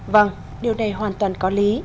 vâng điều này hoàn toàn có lý